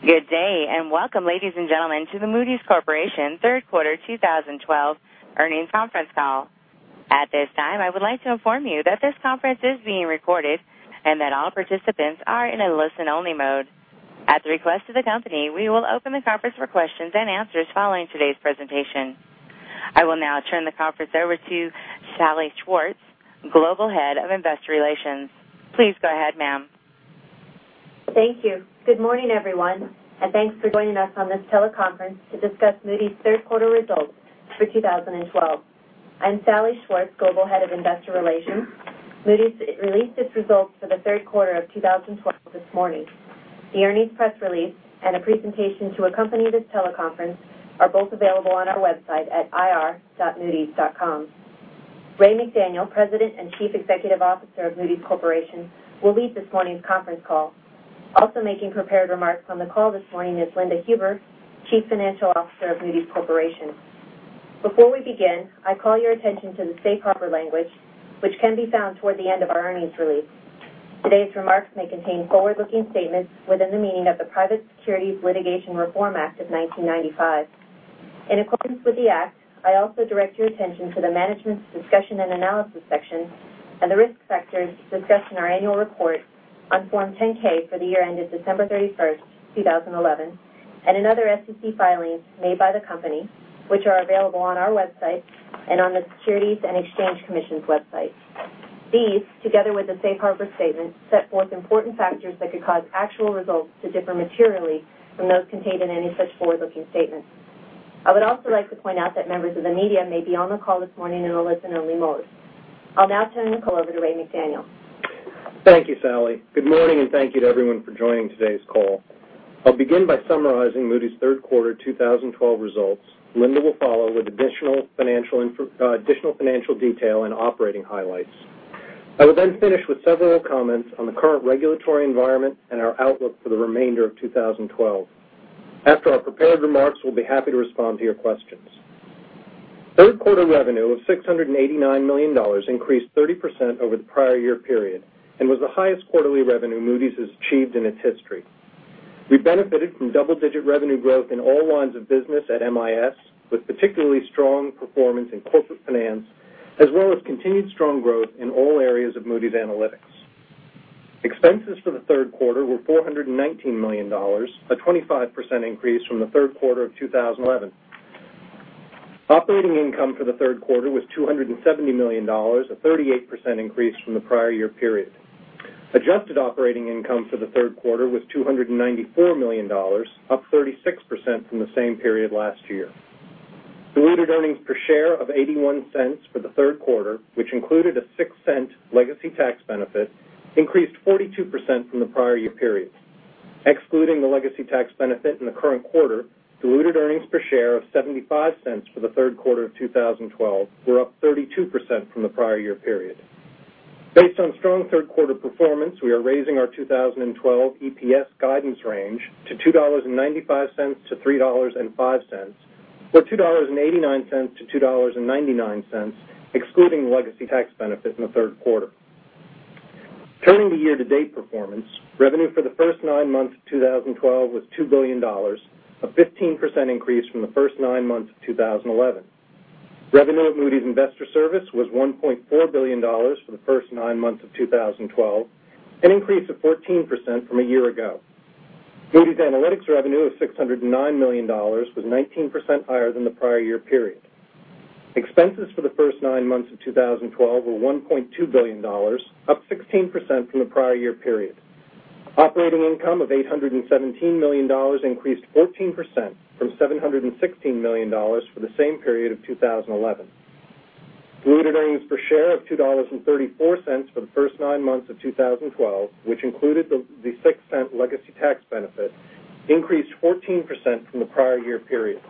Good day, and welcome, ladies and gentlemen, to the Moody's Corporation third quarter 2012 earnings conference call. At this time, I would like to inform you that this conference is being recorded and that all participants are in a listen-only mode. At the request of the company, we will open the conference for questions and answers following today's presentation. I will now turn the conference over to Salli Schwartz, Global Head of Investor Relations. Please go ahead, ma'am. Thank you. Good morning, everyone, and thanks for joining us on this teleconference to discuss Moody's third quarter results for 2012. I'm Salli Schwartz, Global Head of Investor Relations. Moody's released its results for the third quarter of 2012 this morning. The earnings press release and a presentation to accompany this teleconference are both available on our website at ir.moodys.com. Raymond McDaniel, President and Chief Executive Officer of Moody's Corporation, will lead this morning's conference call. Also making prepared remarks on the call this morning is Linda Huber, Chief Financial Officer of Moody's Corporation. Before we begin, I call your attention to the safe harbor language, which can be found toward the end of our earnings release. Today's remarks may contain forward-looking statements within the meaning of the Private Securities Litigation Reform Act of 1995. In accordance with the act, I also direct your attention to the Management's Discussion and Analysis section and the risk factors discussed in our annual report on Form 10-K for the year ended December 31st, 2011, and in other SEC filings made by the company, which are available on our website and on the Securities and Exchange Commission's website. These, together with the safe harbor statement, set forth important factors that could cause actual results to differ materially from those contained in any such forward-looking statements. I would also like to point out that members of the media may be on the call this morning in a listen-only mode. I'll now turn the call over to Raymond McDaniel. Thank you, Salli. Good morning, and thank you to everyone for joining today's call. I'll begin by summarizing Moody's third quarter 2012 results. Linda will follow with additional financial detail and operating highlights. I will then finish with several comments on the current regulatory environment and our outlook for the remainder of 2012. After our prepared remarks, we'll be happy to respond to your questions. Third quarter revenue of $689 million increased 30% over the prior year period and was the highest quarterly revenue Moody's has achieved in its history. We benefited from double-digit revenue growth in all lines of business at MIS, with particularly strong performance in corporate finance as well as continued strong growth in all areas of Moody's Analytics. Expenses for the third quarter were $419 million, a 25% increase from the third quarter of 2011. Operating income for the third quarter was $270 million, a 38% increase from the prior year period. Adjusted operating income for the third quarter was $294 million, up 36% from the same period last year. Diluted earnings per share of $0.81 for the third quarter, which included a $0.06 legacy tax benefit, increased 42% from the prior year period. Excluding the legacy tax benefit in the current quarter, diluted earnings per share of $0.75 for the third quarter of 2012 were up 32% from the prior year period. Based on strong third-quarter performance, we are raising our 2012 EPS guidance range to $2.95-$3.05, or $2.89-$2.99 excluding the legacy tax benefit in the third quarter. Turning to year-to-date performance, revenue for the first nine months of 2012 was $2 billion, a 15% increase from the first nine months of 2011. Revenue at Moody's Investors Service was $1.4 billion for the first nine months of 2012, an increase of 14% from a year ago. Moody's Analytics revenue of $609 million was 19% higher than the prior year period. Expenses for the first nine months of 2012 were $1.2 billion, up 16% from the prior year period. Operating income of $817 million increased 14% from $716 million for the same period of 2011. Diluted earnings per share of $2.34 for the first nine months of 2012, which included the $0.06 legacy tax benefit, increased 14% from the prior year period.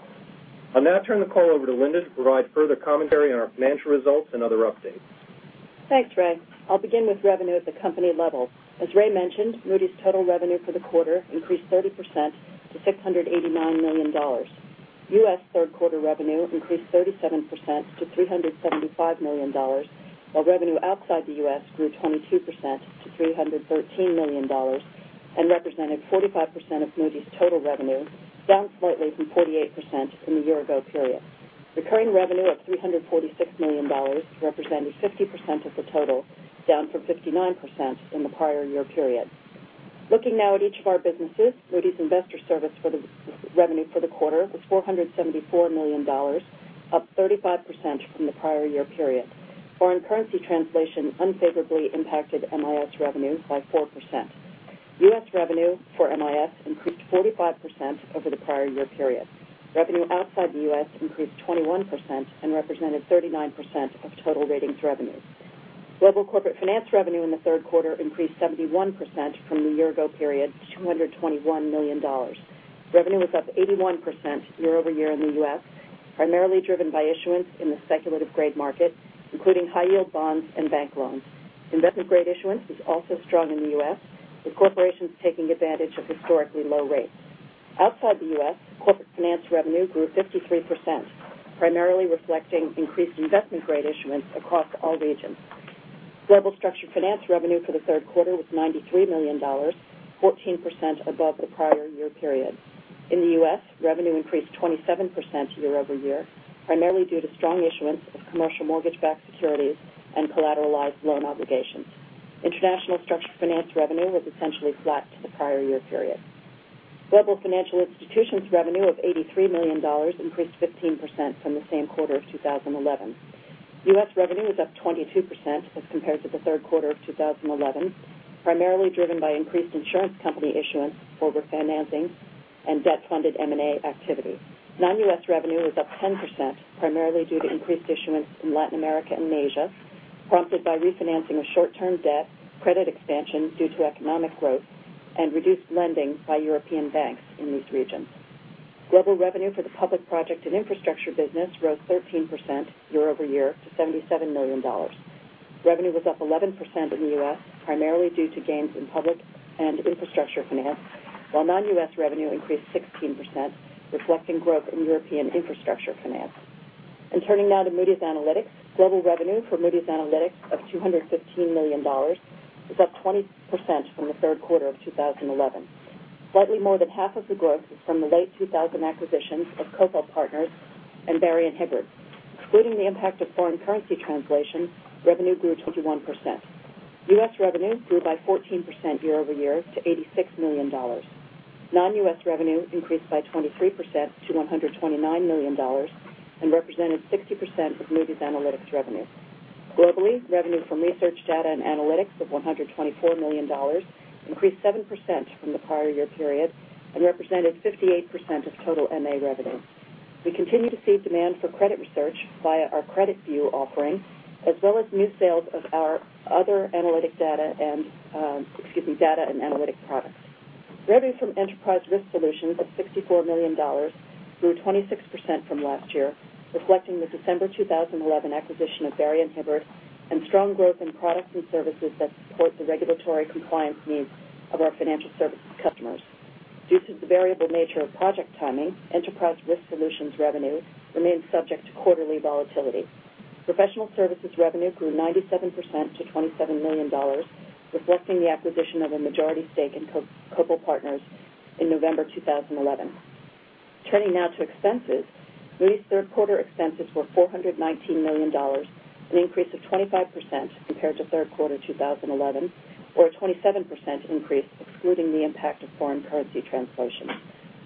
I'll now turn the call over to Linda to provide further commentary on our financial results and other updates. Thanks, Ray. I'll begin with revenue at the company level. As Ray mentioned, Moody's total revenue for the quarter increased 30% to $689 million. U.S. third-quarter revenue increased 37% to $375 million, while revenue outside the U.S. grew 22% to $313 million and represented 45% of Moody's total revenue, down slightly from 48% from the year-ago period. Recurring revenue of $346 million represented 50% of the total, down from 59% in the prior year period. Looking now at each of our businesses, Moody's Investors Service revenue for the quarter was $474 million, up 35% from the prior year period. Foreign currency translation unfavorably impacted MIS revenue by 4%. U.S. revenue for MIS increased 45% over the prior year period. Revenue outside the U.S. increased 21% and represented 39% of total ratings revenue. Global corporate finance revenue in the third quarter increased 71% from the year-ago period to $221 million. Revenue was up 81% year-over-year in the U.S., primarily driven by issuance in the speculative grade market, including high-yield bonds and bank loans. Investment grade issuance was also strong in the U.S., with corporations taking advantage of historically low rates. Outside the U.S., corporate finance revenue grew 53%, primarily reflecting increased investment grade issuance across all regions. Global structured finance revenue for the third quarter was $93 million, 14% above the prior year period. In the U.S., revenue increased 27% year-over-year, primarily due to strong issuance of commercial mortgage-backed securities and collateralized loan obligations. International structured finance revenue was essentially flat to the prior year period. Global financial institutions revenue of $83 million increased 15% from the same quarter of 2011. U.S. revenue was up 22% as compared to the third quarter of 2011, primarily driven by increased insurance company issuance for refinancing and debt-funded M&A activity. Non-U.S. revenue was up 10%, primarily due to increased issuance in Latin America and Asia, prompted by refinancing of short-term debt, credit expansion due to economic growth, and reduced lending by European banks in these regions. Global revenue for the public project and infrastructure business grew 13% year-over-year to $77 million. Revenue was up 11% in the U.S., primarily due to gains in public and infrastructure finance, while non-U.S. revenue increased 16%, reflecting growth in European infrastructure finance. Turning now to Moody's Analytics. Global revenue for Moody's Analytics of $215 million was up 20% from the third quarter of 2011. Slightly more than half of the growth is from the late 2000 acquisitions of Copal Partners and Barrie & Hibbert. Excluding the impact of foreign currency translation, revenue grew 21%. U.S. revenue grew by 14% year-over-year to $86 million. Non-U.S. revenue increased by 23% to $129 million and represented 60% of Moody's Analytics revenue. Globally, revenue from research data and analytics was $124 million, increased 7% from the prior year period and represented 58% of total MA revenue. We continue to see demand for credit research via our CreditView offering as well as new sales of our other analytic data and data and analytic products. Revenue from Enterprise Risk Solutions of $64 million grew 26% from last year, reflecting the December 2011 acquisition of Barrie & Hibbert and strong growth in products and services that support the regulatory compliance needs of our financial services customers. Due to the variable nature of project timing, Enterprise Risk Solutions revenue remains subject to quarterly volatility. Professional services revenue grew 97% to $27 million, reflecting the acquisition of a majority stake in Copal Partners in November 2011. Turning now to expenses. Moody's third quarter expenses were $419 million, an increase of 25% compared to third quarter 2011 or a 27% increase excluding the impact of foreign currency translation.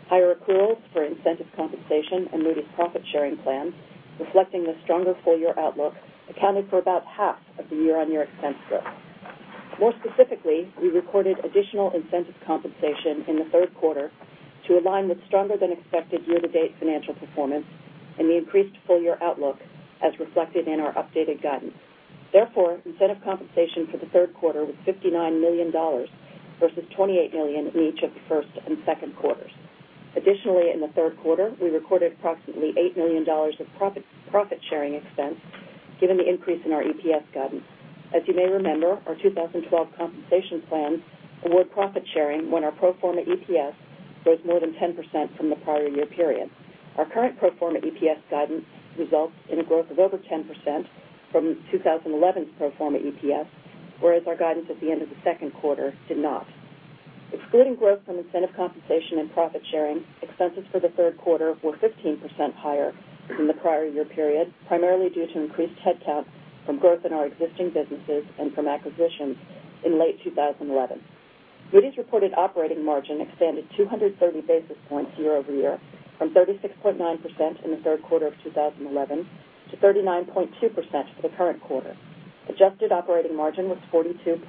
Higher accruals for incentive compensation and Moody's profit-sharing plan, reflecting the stronger full-year outlook, accounted for about half of the year-on-year expense growth. More specifically, we recorded additional incentive compensation in the third quarter to align with stronger-than-expected year-to-date financial performance and the increased full-year outlook as reflected in our updated guidance. Therefore, incentive compensation for the third quarter was $59 million versus $28 million in each of the first and second quarters. Additionally, in the third quarter, we recorded approximately $8 million of profit-sharing expense given the increase in our EPS guidance. As you may remember, our 2012 compensation plan award profit sharing when our pro forma EPS grows more than 10% from the prior year period. Our current pro forma EPS guidance results in a growth of over 10% from 2011's pro forma EPS, whereas our guidance at the end of the second quarter did not. Excluding growth from incentive compensation and profit sharing, expenses for the third quarter were 15% higher than the prior year period, primarily due to increased headcount from growth in our existing businesses and from acquisitions in late 2011. Moody's reported operating margin expanded 230 basis points year-over-year from 36.9% in the third quarter of 2011 to 39.2% for the current quarter. Adjusted operating margin was 42.7%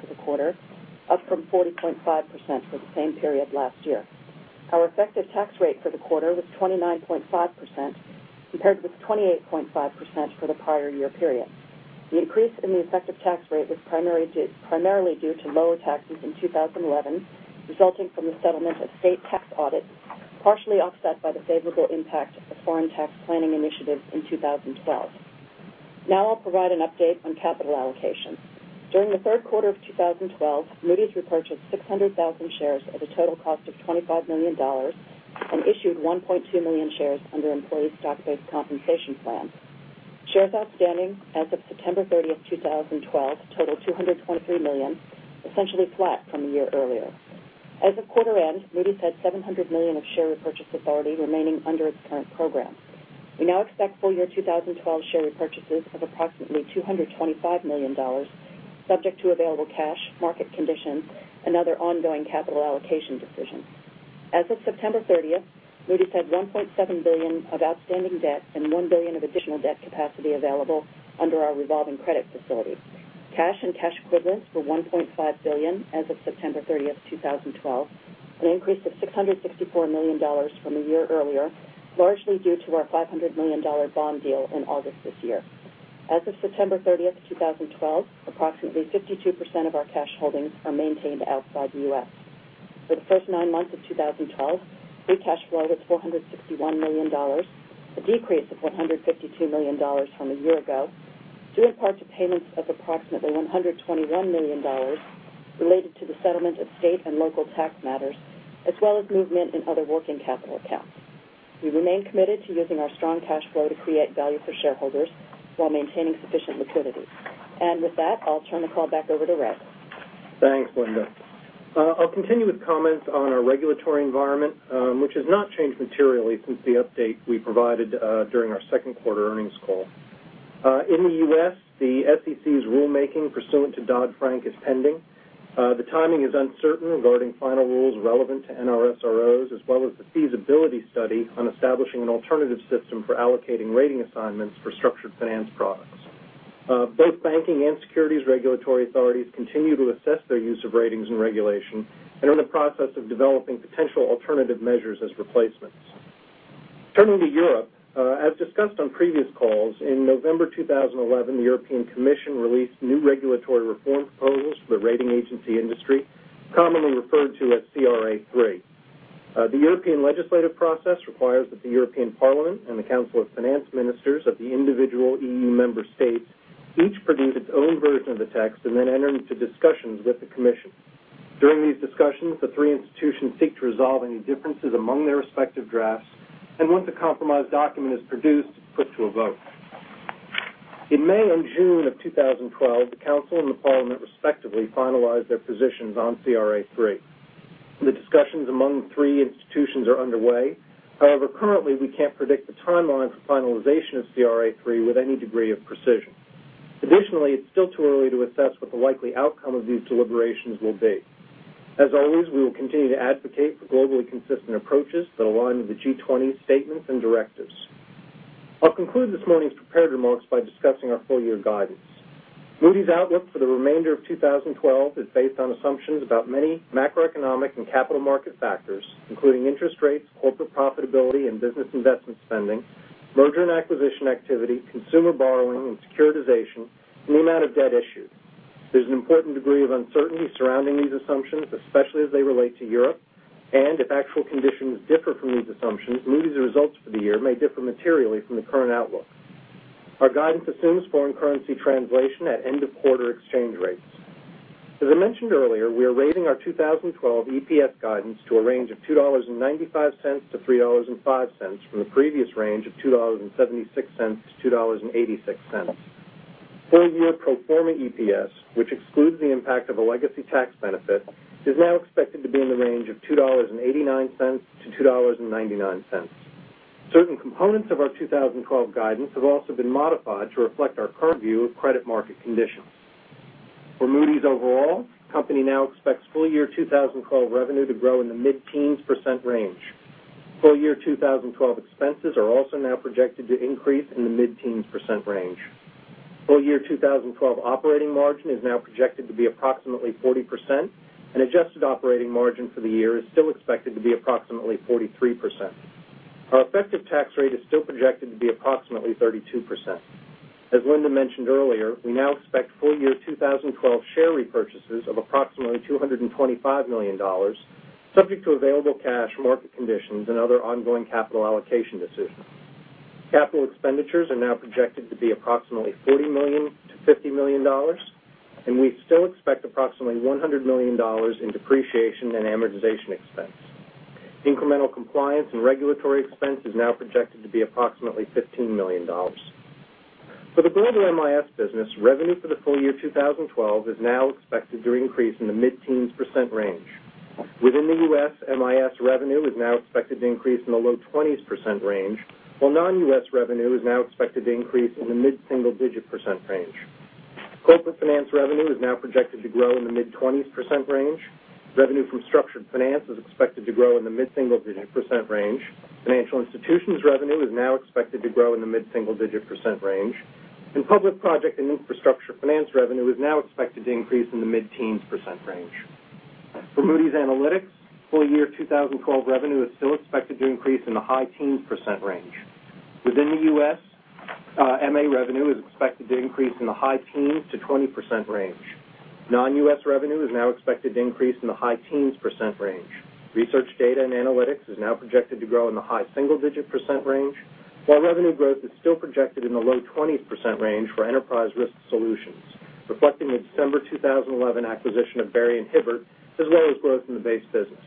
for the quarter, up from 40.5% for the same period last year. Our effective tax rate for the quarter was 29.5%, compared with 28.5% for the prior year period. The increase in the effective tax rate was primarily due to lower taxes in 2011, resulting from the settlement of state tax audits, partially offset by the favorable impact of foreign tax planning initiatives in 2012. I'll provide an update on capital allocation. During the third quarter of 2012, Moody's repurchased 600,000 shares at a total cost of $25 million and issued 1.2 million shares under employee stock-based compensation plan. Shares outstanding as of September 30th, 2012, totaled 223 million, essentially flat from a year earlier. As of quarter end, Moody's had $700 million of share repurchase authority remaining under its current program. We now expect full-year 2012 share repurchases of approximately $225 million, subject to available cash, market conditions, and other ongoing capital allocation decisions. As of September 30th, Moody's had $1.7 billion of outstanding debt and $1 billion of additional debt capacity available under our revolving credit facility. Cash and cash equivalents were $1.5 billion as of September 30th, 2012, an increase of $664 million from a year earlier, largely due to our $500 million bond deal in August this year. As of September 30th, 2012, approximately 52% of our cash holdings are maintained outside the U.S. For the first nine months of 2012, free cash flow was $461 million, a decrease of $152 million from a year ago, due in part to payments of approximately $121 million related to the settlement of state and local tax matters, as well as movement in other working capital accounts. We remain committed to using our strong cash flow to create value for shareholders while maintaining sufficient liquidity. With that, I'll turn the call back over to Ray. Thanks, Linda. I'll continue with comments on our regulatory environment, which has not changed materially since the update we provided during our second quarter earnings call. In the U.S., the SEC's rulemaking pursuant to Dodd-Frank is pending. The timing is uncertain regarding final rules relevant to NRSROs, as well as the feasibility study on establishing an alternative system for allocating rating assignments for structured finance products. Both banking and securities regulatory authorities continue to assess their use of ratings and regulation and are in the process of developing potential alternative measures as replacements. Turning to Europe, as discussed on previous calls, in November 2011, the European Commission released new regulatory reform proposals for the rating agency industry, commonly referred to as CRA III. The European legislative process requires that the European Parliament and the Council of Finance Ministers of the individual EU member states each produce its own version of the text and then enter into discussions with the commission. During these discussions, the three institutions seek to resolve any differences among their respective drafts, and once a compromised document is produced, it's put to a vote. In May and June of 2012, the council and the parliament respectively finalized their positions on CRA III. The discussions among the three institutions are underway. Currently, we can't predict the timeline for finalization of CRA III with any degree of precision. Additionally, it's still too early to assess what the likely outcome of these deliberations will be. As always, we will continue to advocate for globally consistent approaches that align with the G20 statements and directives. I'll conclude this morning's prepared remarks by discussing our full-year guidance. Moody's outlook for the remainder of 2012 is based on assumptions about many macroeconomic and capital market factors, including interest rates, corporate profitability and business investment spending, merger and acquisition activity, consumer borrowing and securitization, and the amount of debt issued. There's an important degree of uncertainty surrounding these assumptions, especially as they relate to Europe, and if actual conditions differ from these assumptions, Moody's results for the year may differ materially from the current outlook. Our guidance assumes foreign currency translation at end-of-quarter exchange rates. As I mentioned earlier, we are raising our 2012 EPS guidance to a range of $2.95-$3.05 from the previous range of $2.76-$2.86. Full-year pro forma EPS, which excludes the impact of a legacy tax benefit, is now expected to be in the range of $2.89-$2.99. Certain components of our 2012 guidance have also been modified to reflect our current view of credit market conditions. For Moody's overall, the company now expects full-year 2012 revenue to grow in the mid-teens % range. Full-year 2012 expenses are also now projected to increase in the mid-teens % range. Full-year 2012 operating margin is now projected to be approximately 40%, and adjusted operating margin for the year is still expected to be approximately 43%. Our effective tax rate is still projected to be approximately 32%. As Linda mentioned earlier, we now expect full-year 2012 share repurchases of approximately $225 million, subject to available cash, market conditions, and other ongoing capital allocation decisions. Capital expenditures are now projected to be approximately $40 million-$50 million, and we still expect approximately $100 million in depreciation and amortization expense. Incremental compliance and regulatory expense is now projected to be approximately $15 million. For the broader MIS business, revenue for the full year 2012 is now expected to increase in the mid-teens % range. Within the U.S., MIS revenue is now expected to increase in the low 20s % range, while non-U.S. revenue is now expected to increase in the mid-single digit % range. Corporate finance revenue is now projected to grow in the mid-20s % range. Revenue from structured finance is expected to grow in the mid-single digit % range. Financial institutions revenue is now expected to grow in the mid-single digit % range. Public project and infrastructure finance revenue is now expected to increase in the mid-teens % range. For Moody's Analytics, full-year 2012 revenue is still expected to increase in the high teens % range. Within the U.S., MA revenue is expected to increase in the high teens to 20% range. Non-U.S. revenue is now expected to increase in the high teens % range. Research data and analytics is now projected to grow in the high single-digit % range, while revenue growth is still projected in the low 20s % range for Enterprise Risk Solutions, reflecting the December 2011 acquisition of Barrie & Hibbert, as well as growth in the base business.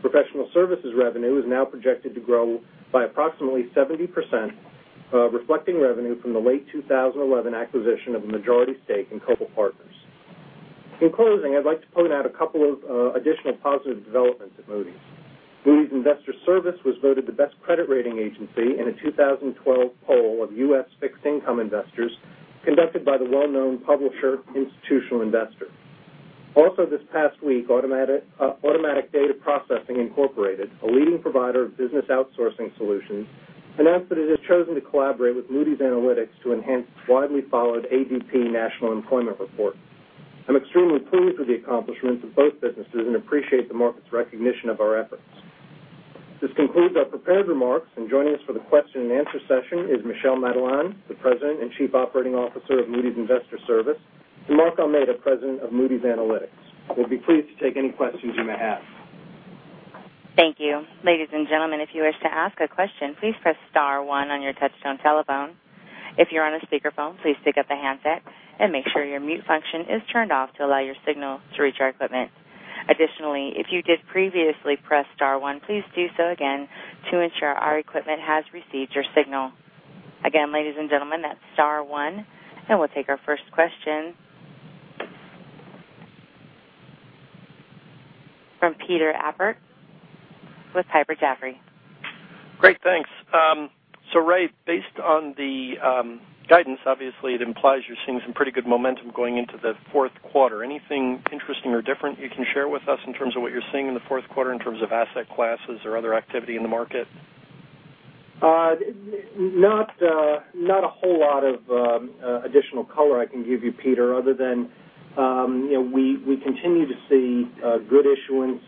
Professional services revenue is now projected to grow by approximately 70%, reflecting revenue from the late 2011 acquisition of a majority stake in Copal Partners. In closing, I'd like to point out a couple of additional positive developments at Moody's. Moody's Investors Service was voted the best credit rating agency in a 2012 poll of U.S. fixed income investors conducted by the well-known publisher Institutional Investor. This past week, Automatic Data Processing, Inc., a leading provider of business outsourcing solutions, announced that it has chosen to collaborate with Moody's Analytics to enhance its widely followed ADP National Employment Report. I'm extremely pleased with the accomplishments of both businesses and appreciate the market's recognition of our efforts. This concludes our prepared remarks, joining us for the question and answer session is Michel Madelain, the President and Chief Operating Officer of Moody's Investors Service, and Mark Almeida, President of Moody's Analytics. They'll be pleased to take any questions you may have. Thank you. Ladies and gentlemen, if you wish to ask a question, please press *1 on your touchtone telephone. If you're on a speakerphone, please pick up the handset and make sure your mute function is turned off to allow your signal to reach our equipment. Additionally, if you did previously press star one, please do so again to ensure our equipment has received your signal. Again, ladies and gentlemen, that's star one, and we'll take our first question from Peter Appert with Piper Jaffray. Great, thanks. Ray, based on the guidance, obviously it implies you're seeing some pretty good momentum going into the fourth quarter. Anything interesting or different you can share with us in terms of what you're seeing in the fourth quarter in terms of asset classes or other activity in the market? Not a whole lot of additional color I can give you, Peter, other than we continue to see good issuance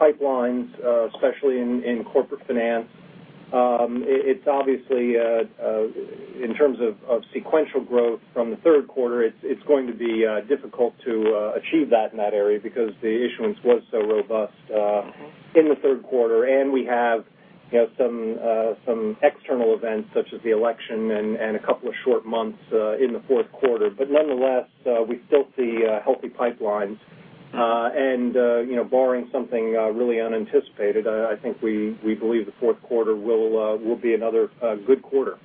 pipelines, especially in corporate finance. It's obviously, in terms of sequential growth from the third quarter, it's going to be difficult to achieve that in that area because the issuance was so robust- in the third quarter. We have some external events such as the election and a couple of short months in the fourth quarter. Nonetheless, we still see healthy pipelines. Barring something really unanticipated, I think we believe the fourth quarter will be another good quarter.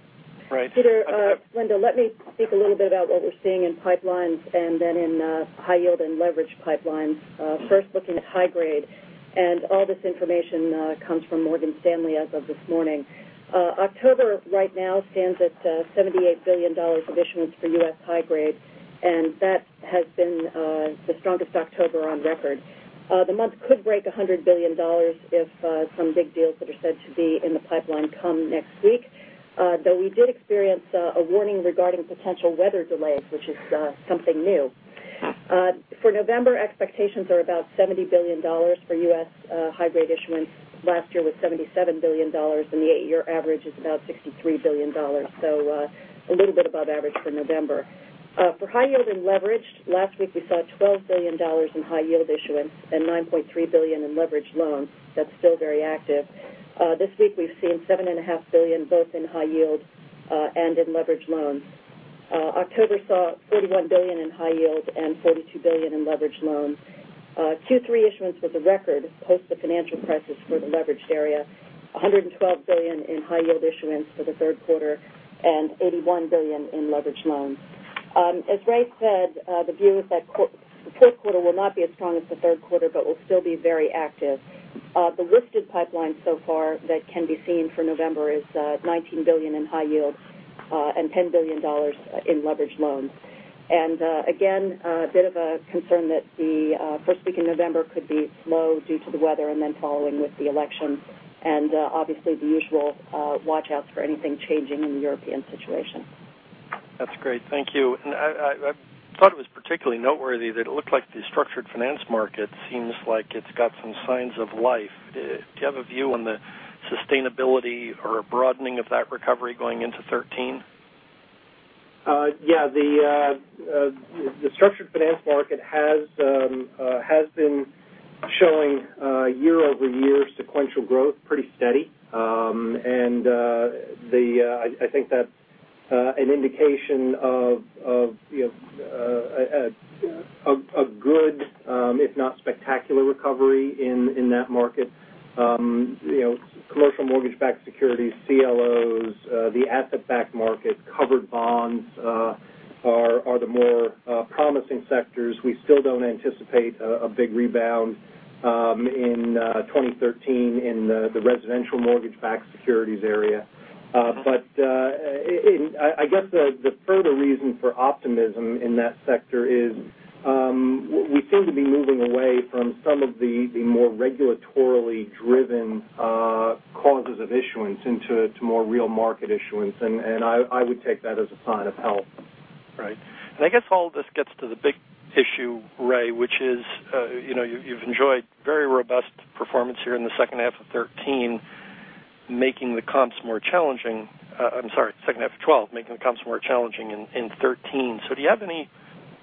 Right. Peter, Linda, let me speak a little bit about what we're seeing in pipelines and then in high yield and leverage pipelines. First, looking at high grade, all this information comes from Morgan Stanley as of this morning. October right now stands at $78 billion of issuance for U.S. high grade, that has been the strongest October on record. The month could break $100 billion if some big deals that are said to be in the pipeline come next week. We did experience a warning regarding potential weather delays, which is something new. For November, expectations are about $70 billion for U.S. high grade issuance. Last year was $77 billion, the eight-year average is about $63 billion. A little bit above average for November. For high yield and leveraged, last week we saw $12 billion in high yield issuance and $9.3 billion in leverage loans. That's still very active. This week we've seen $7.5 billion, both in high yield and in leverage loans. October saw $31 billion in high yield and $42 billion in leverage loans. Q3 issuance was a record post the financial crisis for the leveraged area, $112 billion in high yield issuance for the third quarter, $81 billion in leverage loans. As Ray said, the view is that the fourth quarter will not be as strong as the third quarter but will still be very active. The listed pipeline so far that can be seen for November is $19 billion in high yield, $10 billion in leverage loans. Again, a bit of a concern that the first week in November could be slow due to the weather and then following with the election. Obviously the usual watch-outs for anything changing in the European situation. That's great. Thank you. I thought it was particularly noteworthy that it looked like the structured finance market seems like it's got some signs of life. Do you have a view on the sustainability or broadening of that recovery going into 2013? Yeah. The structured finance market has been showing year-over-year sequential growth pretty steady. I think that's an indication of a good if not spectacular recovery in that market. Commercial mortgage-backed securities, CLOs, the asset-backed market, covered bonds are the more promising sectors. We still don't anticipate a big rebound in 2013 in the residential mortgage-backed securities area. I guess the further reason for optimism in that sector is we seem to be moving away from some of the more regulatorily driven causes of issuance into more real market issuance. I would take that as a sign of health. Right. I guess all this gets to the big issue, Ray, which is you've enjoyed very robust performance here in the second half of 2013, making the comps more challenging. I'm sorry, second half of 2012, making the comps more challenging in 2013. Do you have any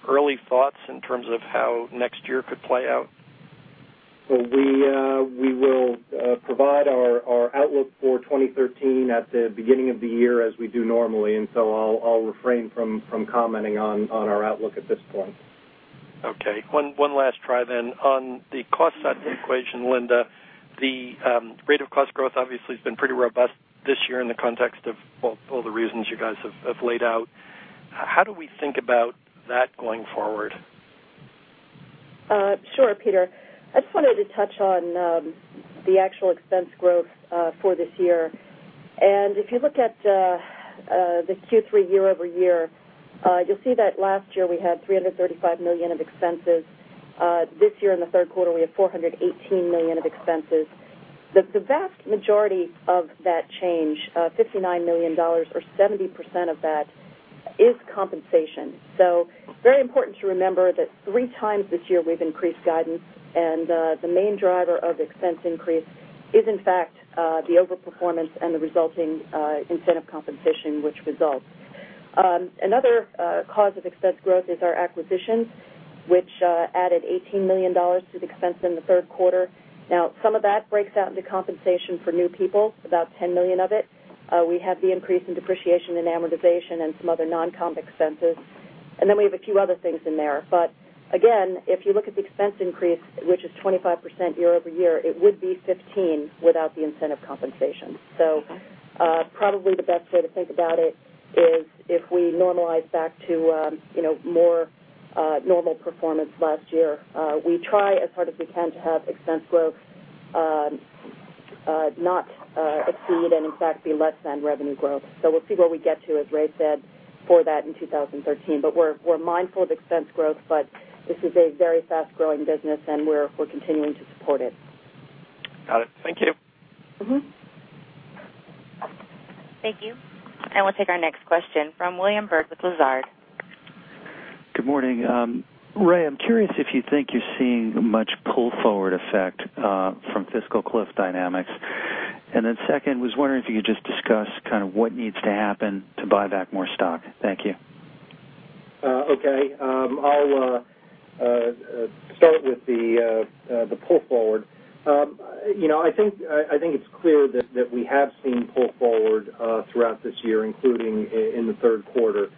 early thoughts in terms of how next year could play out? We will provide our outlook for 2013 at the beginning of the year as we do normally. I'll refrain from commenting on our outlook at this point. Okay. One last try then. On the cost side of the equation, Linda, the rate of cost growth obviously has been pretty robust this year in the context of, well, all the reasons you guys have laid out. How do we think about that going forward? Sure, Peter. I just wanted to touch on the actual expense growth for this year. If you look at the Q3 year-over-year, you'll see that last year we had $335 million of expenses. This year in the third quarter, we have $418 million of expenses. The vast majority of that change, $59 million or 70% of that, is compensation. Very important to remember that three times this year, we've increased guidance and the main driver of expense increase is in fact the over-performance and the resulting incentive compensation which results. Another cause of expense growth is our acquisitions, which added $18 million to the expense in the third quarter. Now some of that breaks out into compensation for new people, about $10 million of it. We have the increase in depreciation and amortization and some other non-comp expenses. We have a few other things in there. Again, if you look at the expense increase, which is 25% year-over-year, it would be 15% without the incentive compensation. Probably the best way to think about it is if we normalize back to more normal performance last year. We try as hard as we can to have expense growth not exceed and in fact be less than revenue growth. We'll see what we get to, as Ray said, for that in 2013. We're mindful of expense growth, but this is a very fast-growing business and we're continuing to support it. Got it. Thank you. Thank you. We'll take our next question from William Bird with Lazard. Good morning. Ray, I'm curious if you think you're seeing much pull forward effect from fiscal cliff dynamics. Second, was wondering if you could just discuss what needs to happen to buy back more stock. Thank you. Okay. I'll start with the pull forward. I think it's clear that we have seen pull forward throughout this year, including in the third quarter.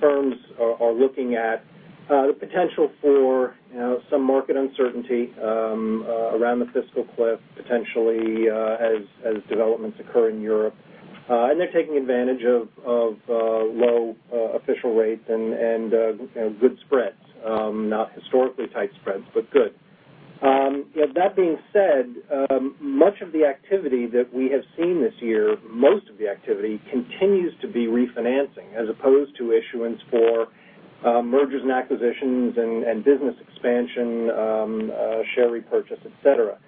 Firms are looking at the potential for some market uncertainty around the fiscal cliff, potentially as developments occur in Europe. They're taking advantage of low official rates and good spreads. Not historically tight spreads, but good. That being said, much of the activity that we have seen this year, most of the activity continues to be refinancing as opposed to issuance for mergers and acquisitions and business expansion, share repurchase, et cetera.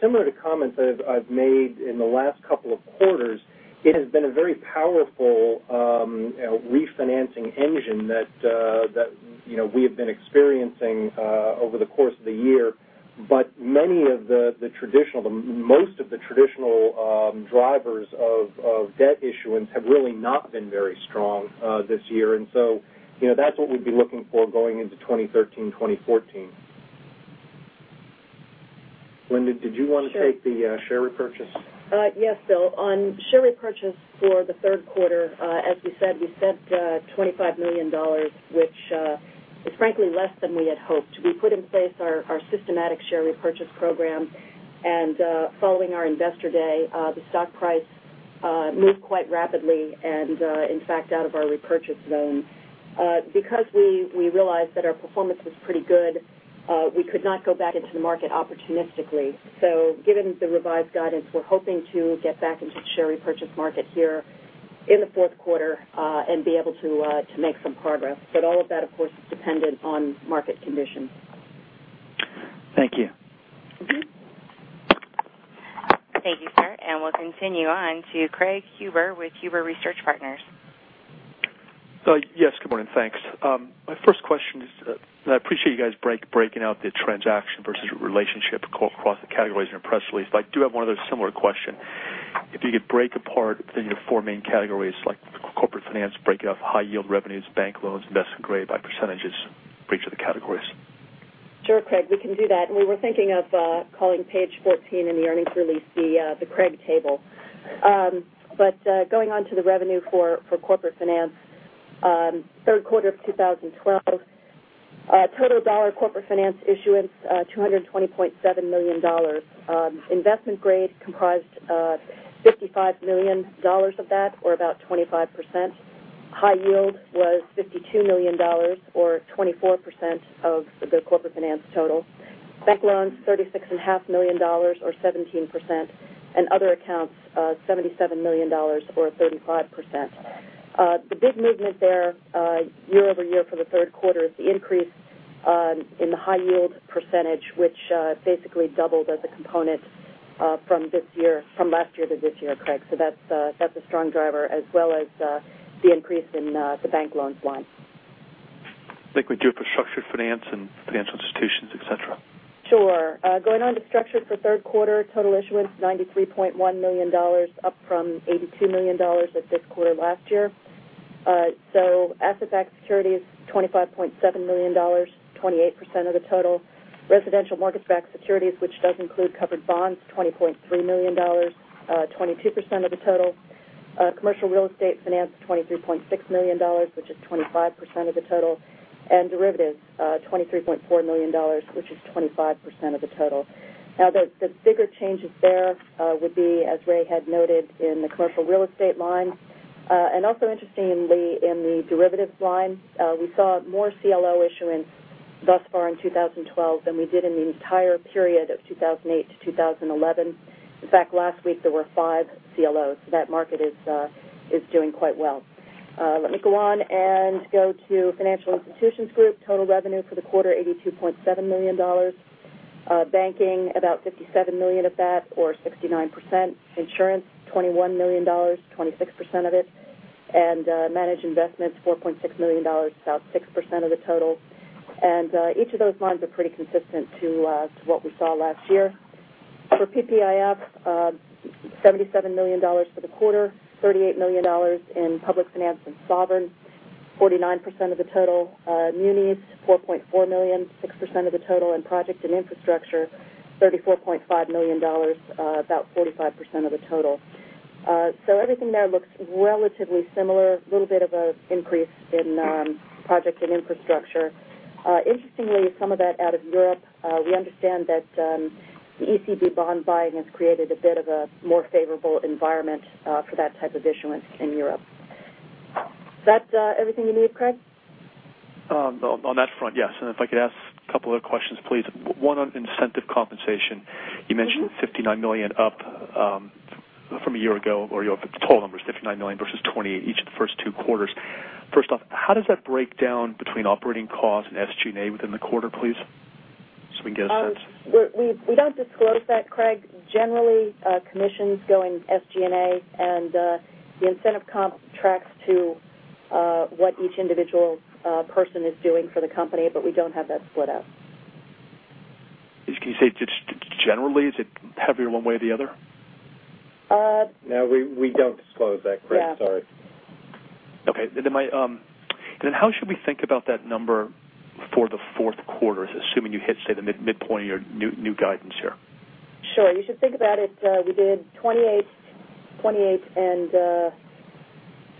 Similar to comments I've made in the last couple of quarters, it has been a very powerful refinancing engine that we have been experiencing over the course of the year. Most of the traditional drivers of debt issuance have really not been very strong this year. That's what we'd be looking for going into 2013, 2014. Linda, did you want to take the share repurchase? Yes, Bill. On share repurchase for the third quarter, as you said, we spent $25 million, which is frankly less than we had hoped. We put in place our systematic share repurchase program. Following our investor day, the stock price moved quite rapidly and in fact out of our repurchase zone. Because we realized that our performance was pretty good, we could not go back into the market opportunistically. Given the revised guidance, we're hoping to get back into the share repurchase market here in the fourth quarter and be able to make some progress. All of that, of course, is dependent on market conditions. Thank you. Thank you, sir. We'll continue on to Craig Huber with Huber Research Partners. Yes, good morning. Thanks. My first question is, I appreciate you guys breaking out the transaction versus relationship across the categories in your press release, I do have one other similar question. If you could break apart the four main categories like corporate finance, break out high yield revenues, bank loans, investment grade by percentages, break to the categories. Sure, Craig, we can do that. We were thinking of calling page 14 in the earnings release the Craig table. Going on to the revenue for corporate finance. Third quarter of 2012, total dollar corporate finance issuance, $220.7 million. Investment grade comprised $55 million of that, or about 25%. High yield was $52 million, or 24% of the corporate finance total. Bank loans, $36.5 million, or 17%, and other accounts, $77 million or 35%. The big movement there year-over-year for the third quarter is the increase in the high yield percentage, which basically doubled as a component from last year to this year, Craig. That's a strong driver, as well as the increase in the bank loans line. Think we do it for structured finance and financial institutions, et cetera. Sure. Going on to structured for third quarter, total issuance, $93.1 million, up from $82 million at this quarter last year. Asset-backed securities, $25.7 million, 28% of the total. Residential mortgage-backed securities, which does include covered bonds, $20.3 million, 22% of the total. Commercial real estate finance, $23.6 million, which is 25% of the total. Derivatives, $23.4 million, which is 25% of the total. The bigger changes there would be, as Ray had noted in the commercial real estate line. Also interestingly in the derivatives line, we saw more CLO issuance thus far in 2012 than we did in the entire period of 2008 to 2011. In fact, last week there were five CLOs. That market is doing quite well. Let me go on and go to financial institutions group. Total revenue for the quarter, $82.7 million. Banking, about $57 million of that, or 69%. Insurance, $21 million, 26% of it. Managed investments, $4.6 million, about 6% of the total. Each of those lines are pretty consistent to what we saw last year. For PPIF $77 million for the quarter, $38 million in public finance and sovereign, 49% of the total munis, $4.4 million, 6% of the total in project and infrastructure, $34.5 million, about 45% of the total. Everything there looks relatively similar. Little bit of an increase in project and infrastructure. Interestingly, some of that out of Europe. We understand that the ECB bond buying has created a bit of a more favorable environment for that type of issuance in Europe. Is that everything you need, Craig? On that front, yes. If I could ask a couple of questions, please. One on incentive compensation. You mentioned $59 million up from a year ago, or the total number is $59 million versus $28 million, each of the first two quarters. First off, how does that break down between operating costs and SG&A within the quarter, please? We can get a sense. We don't disclose that, Craig. Generally, commissions go in SG&A, and the incentive comp tracks to what each individual person is doing for the company. We don't have that split out. Can you say, just generally, is it heavier one way or the other? No, we don't disclose that, Craig. Sorry. Okay. How should we think about that number for the fourth quarter, assuming you hit, say, the midpoint of your new guidance here? Sure. You should think about it, we did $28 million and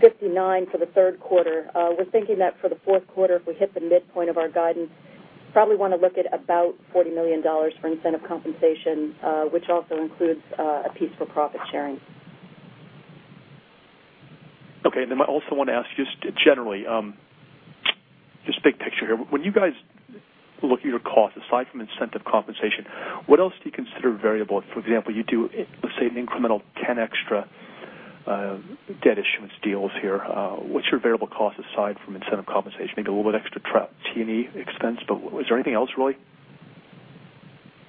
$59 million for the third quarter. We're thinking that for the fourth quarter, if we hit the midpoint of our guidance, probably want to look at about $40 million for incentive compensation, which also includes a piece for profit sharing. Okay. I also want to ask you just generally, just big picture here. When you guys look at your costs, aside from incentive compensation, what else do you consider variable? For example, you do, let's say, an incremental 10 extra debt issuance deals here. What's your variable cost aside from incentive compensation? Maybe a little bit extra T&E expense, but is there anything else, really?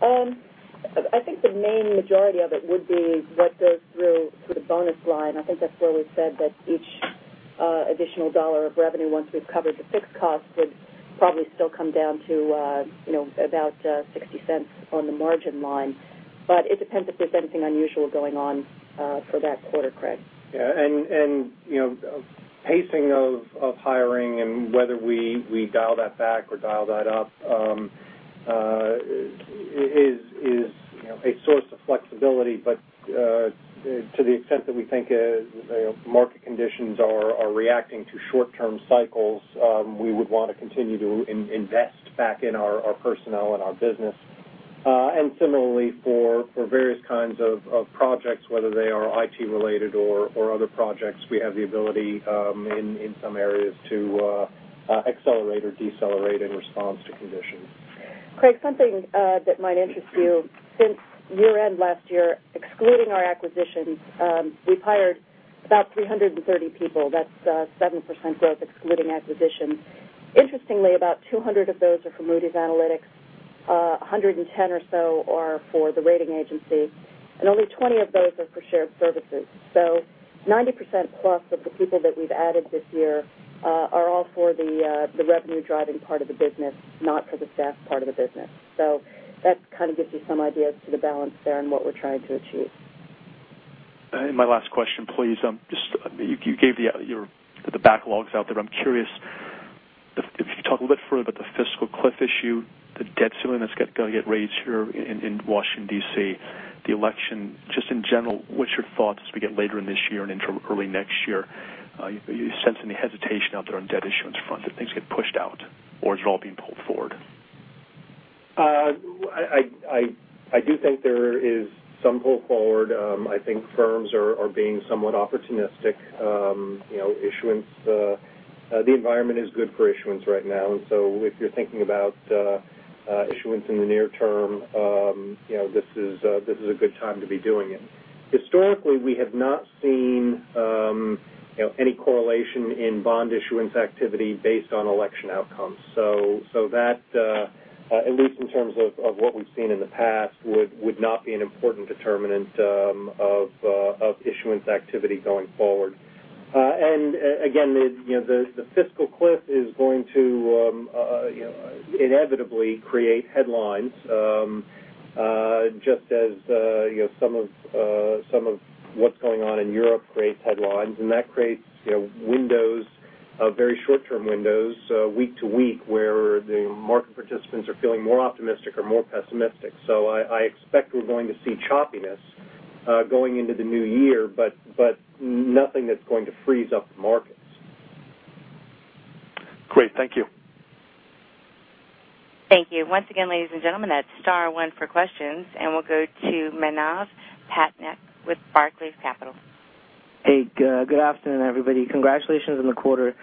I think the main majority of it would be what goes through the bonus line. I think that's where we said that each additional dollar of revenue, once we've covered the fixed cost, would probably still come down to about $0.60 on the margin line. It depends if there's anything unusual going on for that quarter, Craig. Yeah. Pacing of hiring and whether we dial that back or dial that up is a source of flexibility. To the extent that we think market conditions are reacting to short-term cycles, we would want to continue to invest back in our personnel and our business. Similarly, for various kinds of projects, whether they are IT related or other projects, we have the ability in some areas to accelerate or decelerate in response to conditions. Craig, something that might interest you. Since year-end last year, excluding our acquisitions, we've hired about 330 people. That's 7% growth excluding acquisitions. Interestingly, about 200 of those are from Moody's Analytics. 110 or so are for the rating agency, and only 20 of those are for shared services. 90% plus of the people that we've added this year are all for the revenue-driving part of the business, not for the staff part of the business. That kind of gives you some idea to the balance there and what we're trying to achieve. My last question, please. You gave the backlogs out there. I'm curious if you could talk a little bit further about the fiscal cliff issue, the debt ceiling that's going to get raised here in Washington, D.C., the election. Just in general, what's your thoughts as we get later in this year and into early next year? Do you sense any hesitation out there on debt issuance front, that things get pushed out, or is it all being pulled forward? I do think there is some pull forward. I think firms are being somewhat opportunistic. The environment is good for issuance right now, if you're thinking about issuance in the near term, this is a good time to be doing it. Historically, we have not seen any correlation in bond issuance activity based on election outcomes. That, at least in terms of what we've seen in the past, would not be an important determinant of issuance activity going forward. Again, the fiscal cliff is going to inevitably create headlines, just as some of what's going on in Europe creates headlines, that creates windows, very short-term windows, week to week, where the market participants are feeling more optimistic or more pessimistic. I expect we're going to see choppiness going into the new year, but nothing that's going to freeze up the markets. Great. Thank you. Thank you. Once again, ladies and gentlemen, that's star one for questions. We'll go to Manav Patnaik with Barclays Capital. Hey. Good afternoon, everybody. Congratulations on the quarter.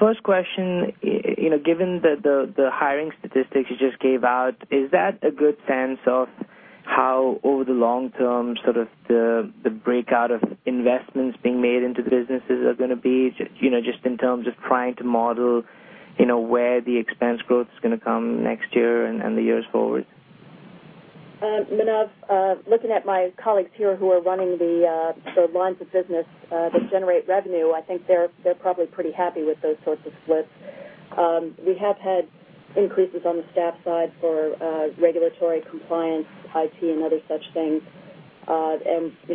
First question, given the hiring statistics you just gave out, is that a good sense of how, over the long term, sort of the breakout of investments being made into the businesses are going to be, just in terms of trying to model where the expense growth is going to come next year and the years forward? Manav, looking at my colleagues here who are running the lines of business that generate revenue, I think they're probably pretty happy with those sorts of splits. We have had increases on the staff side for regulatory compliance, IT, and other such things.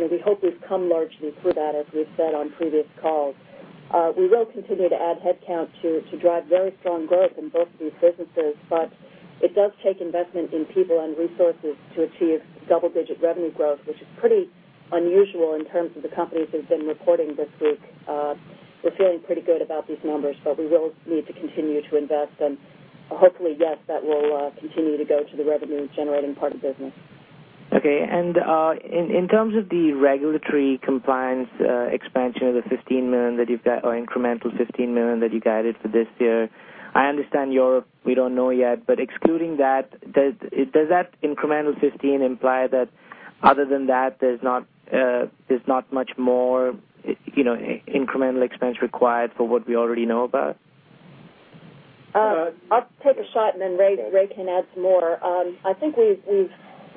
We hope we've come largely through that, as we've said on previous calls. We will continue to add headcount to drive very strong growth in both of these businesses, but it does take investment in people and resources to achieve double-digit revenue growth, which is pretty unusual in terms of the companies that have been reporting this week. We're feeling pretty good about these numbers, but we will need to continue to invest, and hopefully, yes, that will continue to go to the revenue-generating part of the business. Okay. In terms of the regulatory compliance expansion of the $15 million that you've got, or incremental $15 million that you guided for this year, I understand Europe, we don't know yet, but excluding that, does that incremental 15 imply that other than that, there's not much more incremental expense required for what we already know about? I'll take a shot, Ray can add some more. I think we've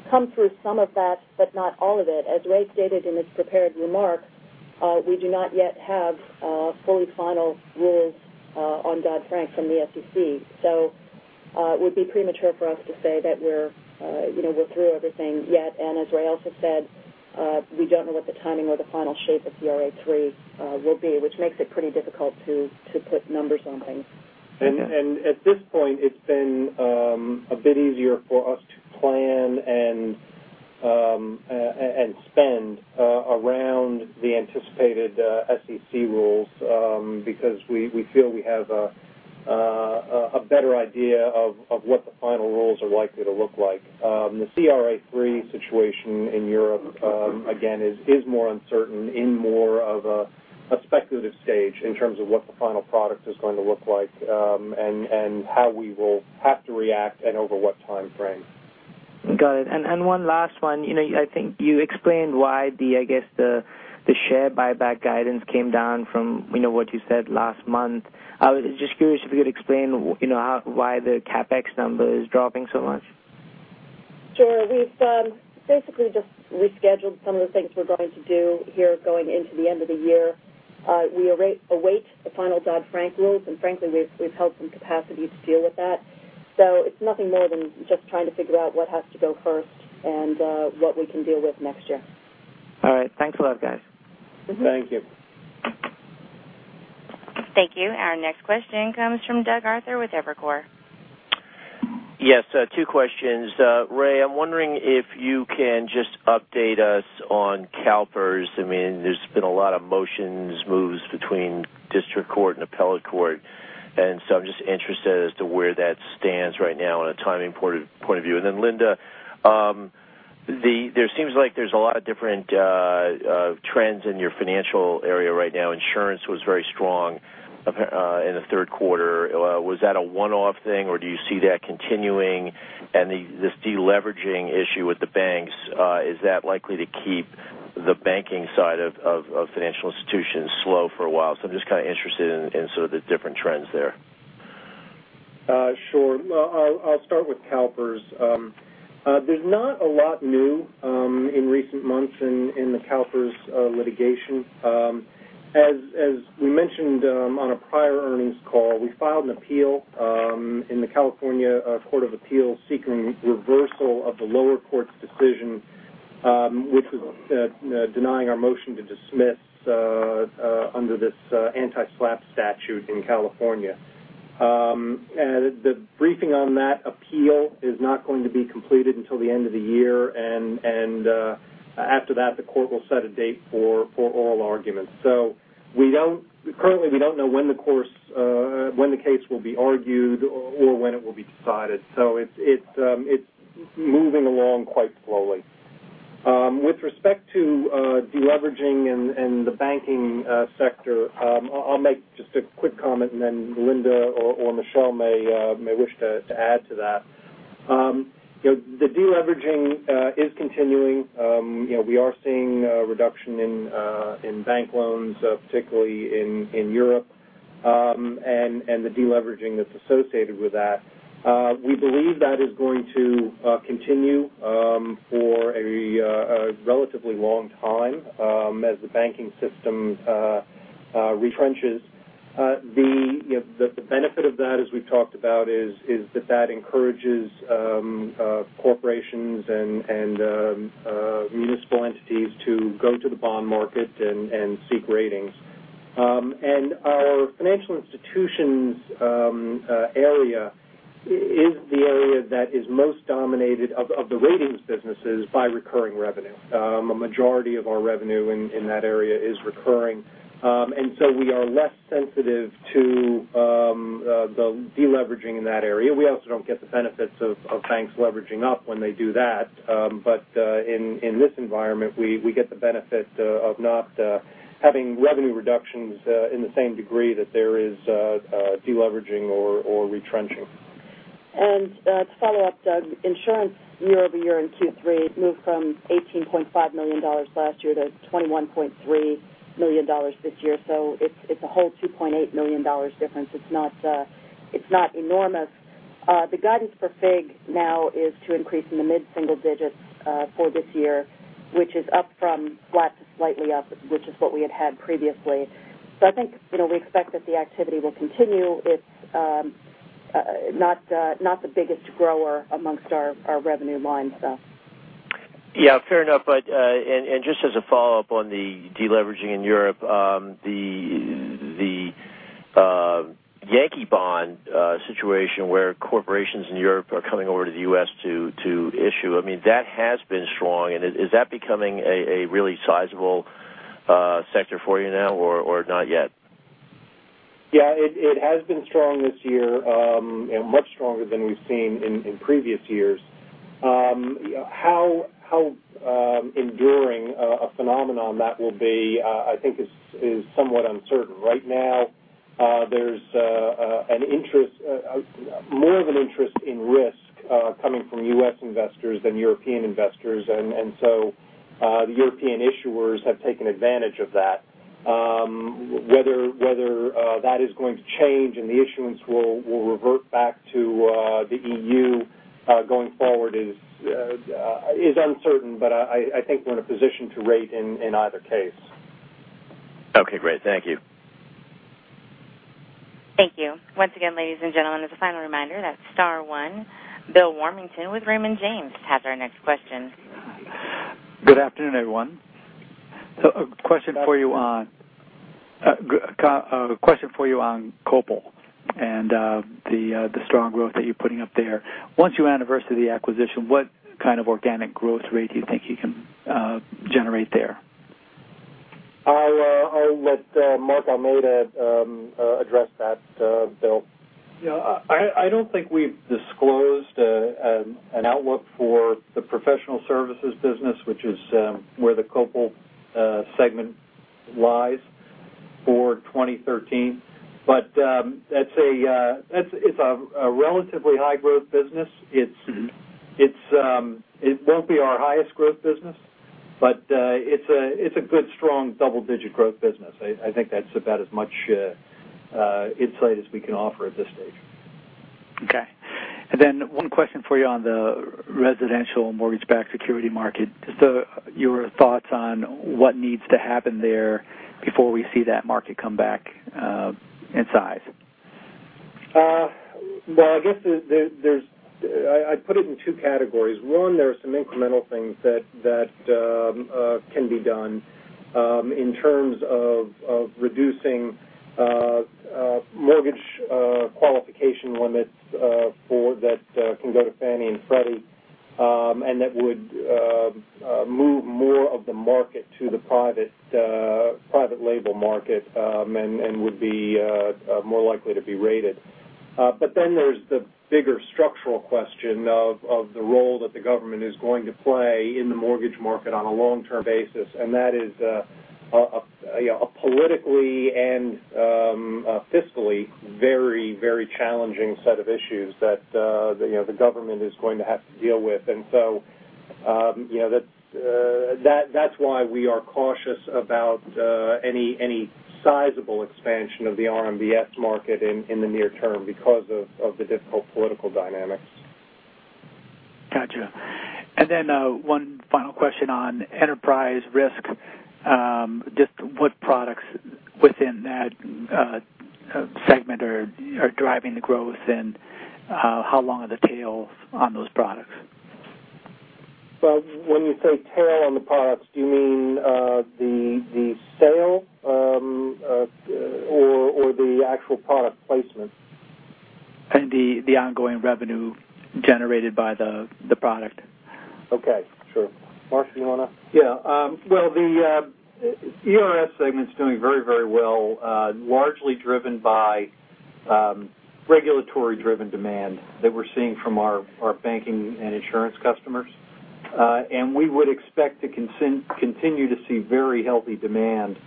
come through some of that, but not all of it. As Ray stated in his prepared remarks, we do not yet have fully final rules on Dodd-Frank from the SEC. It would be premature for us to say that we're through everything yet, as Ray also said, we don't know what the timing or the final shape of CRA III will be, which makes it pretty difficult to put numbers on things. Okay. At this point, it's been a bit easier for us to plan and spend around the anticipated SEC rules because we feel we have a better idea of what the final rules are likely to look like. The CRA III situation in Europe, again, is more uncertain, in more of a speculative stage in terms of what the final product is going to look like, how we will have to react, and over what timeframe. Got it. One last one. I think you explained why the share buyback guidance came down from what you said last month. I was just curious if you could explain why the CapEx number is dropping so much. Sure. We've basically just rescheduled some of the things we're going to do here going into the end of the year. We await the final Dodd-Frank rules, frankly, we've held some capacity to deal with that. It's nothing more than just trying to figure out what has to go first and what we can deal with next year. All right. Thanks a lot, guys. Thank you. Thank you. Our next question comes from Doug Arthur with Evercore. Two questions. Ray, I'm wondering if you can just update us on CalPERS. There's been a lot of motions, moves between district court and appellate court, and so I'm just interested as to where that stands right now on a timing point of view. Linda, there seems like there's a lot of different trends in your financial area right now. Insurance was very strong in the third quarter. Was that a one-off thing, or do you see that continuing? And this de-leveraging issue with the banks, is that likely to keep the banking side of financial institutions slow for a while? I'm just kind of interested in sort of the different trends there. Sure. I'll start with CalPERS. There's not a lot new in recent months in the CalPERS litigation. As we mentioned on a prior earnings call, we filed an appeal in the California Courts of Appeal seeking reversal of the lower court's decision, which was denying our motion to dismiss under this anti-SLAPP statute in California. The briefing on that appeal is not going to be completed until the end of the year, after that, the court will set a date for oral arguments. Currently, we don't know when the case will be argued or when it will be decided. It's moving along quite slowly. With respect to de-leveraging and the banking sector, I'll make just a quick comment, then Linda or Michel may wish to add to that. The de-leveraging is continuing. We are seeing a reduction in bank loans, particularly in Europe, the de-leveraging that's associated with that. We believe that is going to continue for a relatively long time as the banking system retrenches. The benefit of that, as we've talked about, is that encourages corporations and municipal entities to go to the bond market and seek ratings. Our financial institutions area is the area that is most dominated, of the ratings businesses, by recurring revenue. A majority of our revenue in that area is recurring. We are less sensitive to the de-leveraging in that area. We also don't get the benefits of banks leveraging up when they do that. In this environment, we get the benefit of not having revenue reductions in the same degree that there is de-leveraging or retrenching. To follow up, Doug, insurance year-over-year in Q3 moved from $18.5 million last year to $21.3 million this year. It's a whole $2.8 million difference. It's not enormous. The guidance for FIG now is to increase in the mid-single digits for this year, which is up from flat to slightly up, which is what we had had previously. I think we expect that the activity will continue. It's not the biggest grower amongst our revenue lines though. Yeah, fair enough. Just as a follow-up on the de-leveraging in Europe, the Yankee bond situation where corporations in Europe are coming over to the U.S. to issue, that has been strong. Is that becoming a really sizable sector for you now, or not yet? It has been strong this year, much stronger than we've seen in previous years. How enduring a phenomenon that will be, I think is somewhat uncertain. Right now, there's more of an interest in risk coming from U.S. investors than European investors. The European issuers have taken advantage of that. Whether that is going to change and the issuance will revert back to the EU, going forward is uncertain. I think we're in a position to rate in either case. Okay, great. Thank you. Thank you. Once again, ladies and gentlemen, as a final reminder, that's star one. William Warmington with Raymond James has our next question. Good afternoon, everyone. A question for you on Copal and the strong growth that you're putting up there. Once you anniversary the acquisition, what kind of organic growth rate do you think you can generate there? I'll let Mark Almeida address that, Bill. Yeah. I don't think we've disclosed an outlook for the professional services business, which is where the Copal segment lies for 2013. It's a relatively high-growth business. It won't be our highest growth business. It's a good, strong double-digit growth business. I think that's about as much insight as we can offer at this stage. Okay. One question for you on the residential mortgage-backed security market. Just your thoughts on what needs to happen there before we see that market come back in size. Well, I guess I put it in two categories. One, there are some incremental things that can be done in terms of reducing mortgage qualification limits that can go to Fannie and Freddie. That would move more of the market to the private label market, and would be more likely to be rated. There's the bigger structural question of the role that the government is going to play in the mortgage market on a long-term basis. That is a politically and fiscally very challenging set of issues that the government is going to have to deal with. That's why we are cautious about any sizable expansion of the RMBS market in the near term because of the difficult political dynamics. Got you. One final question on Enterprise Risk. Just what products within that segment are driving the growth, and how long are the tails on those products? Well, when you say tail on the products, do you mean the sale or the actual product placement? The ongoing revenue generated by the product. Okay, sure. Mark, do you want to Well, the ERS segment's doing very well, largely driven by regulatory-driven demand that we're seeing from our banking and insurance customers. We would expect to continue to see very healthy demand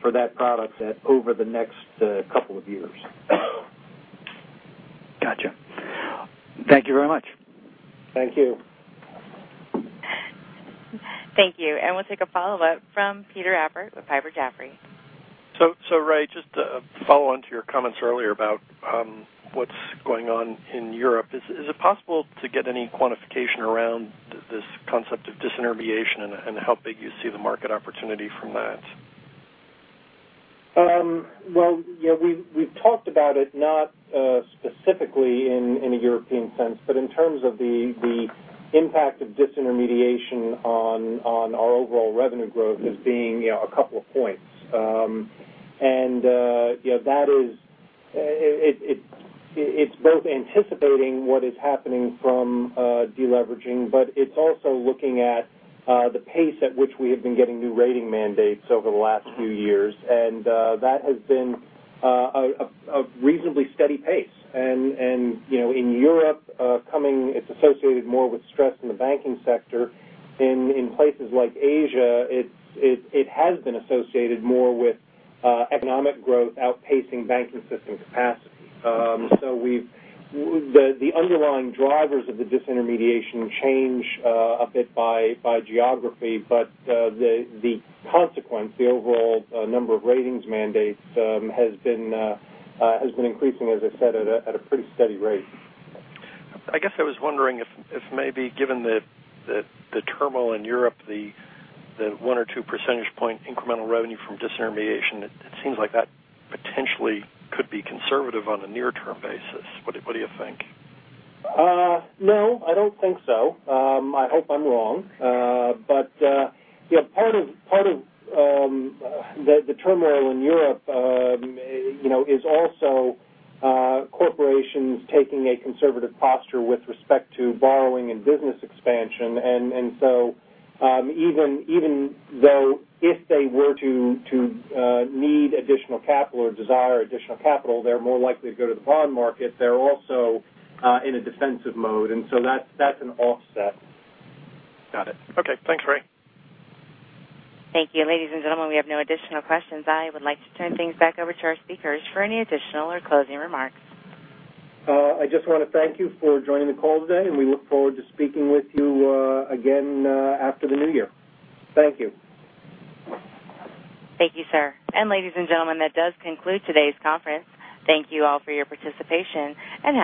for that product over the next couple of years. Got you. Thank you very much. Thank you. Thank you. We'll take a follow-up from Peter Appert with Piper Jaffray. Ray, just to follow on to your comments earlier about what's going on in Europe, is it possible to get any quantification around this concept of disintermediation and how big you see the market opportunity from that? We've talked about it, not specifically in a European sense, but in terms of the impact of disintermediation on our overall revenue growth as being a couple of points. It's both anticipating what is happening from de-leveraging, but it's also looking at the pace at which we have been getting new rating mandates over the last few years. That has been a reasonably steady pace. In Europe, it's associated more with stress in the banking sector. In places like Asia, it has been associated more with economic growth outpacing banking system capacity. The underlying drivers of the disintermediation change a bit by geography, but the consequence, the overall number of ratings mandates has been increasing, as I said, at a pretty steady rate. I was wondering if maybe given the turmoil in Europe, the one or two percentage point incremental revenue from disintermediation, it seems like that potentially could be conservative on a near-term basis. What do you think? No, I don't think so. I hope I'm wrong. Part of the turmoil in Europe is also corporations taking a conservative posture with respect to borrowing and business expansion. Even though if they were to need additional capital or desire additional capital, they're more likely to go to the bond market. They're also in a defensive mode, and so that's an offset. Got it. Okay, thanks, Ray. Thank you. Ladies and gentlemen, we have no additional questions. I would like to turn things back over to our speakers for any additional or closing remarks. I just want to thank you for joining the call today. We look forward to speaking with you again after the new year. Thank you. Thank you, sir. Ladies and gentlemen, that does conclude today's conference. Thank you all for your participation.